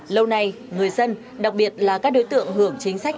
lâu nay người dân đặc biệt là các đối tượng hưởng chính sách